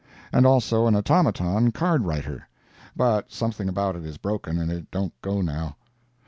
And also an automaton card writer; but something about it is broken, and it don't go now.